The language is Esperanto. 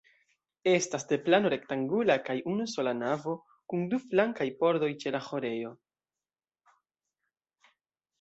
Estas de plano rektangula kaj unusola navo, kun du flankaj pordoj ĉe la ĥorejo.